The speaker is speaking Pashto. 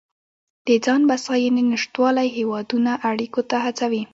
د ځان بسیاینې نشتوالی هیوادونه اړیکو ته هڅوي